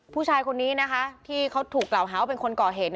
ผู้ชายคนนี้นะคะที่เขาถูกกล่าวหาว่าเป็นคนก่อเหตุ